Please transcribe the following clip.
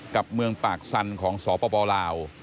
กับเมืองปากสันของสปลาว